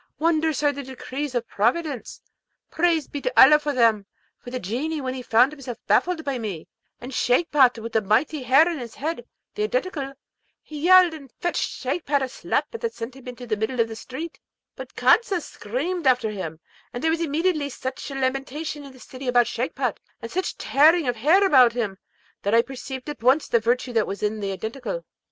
Wondrous are the decrees of Providence! Praise be to Allah for them! So the Genie, when he found himself baffled by me, and Shagpat with the mighty hair in his head, the Identical, he yelled, and fetched Shagpat a slap that sent him into the middle of the street; but Kadza screamed after him, and there was immediately such lamentation in the city about Shagpat, and such tearing of hair about him, that I perceived at once the virtue that was in the Identical.